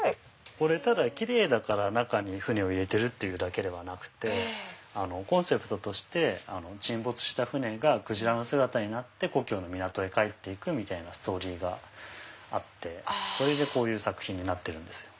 ただキレイだから中に船を入れてるだけではなくコンセプトとして沈没した船がクジラの姿になって故郷の港へ帰って行くみたいなストーリーがあってこういう作品になってるんですよ。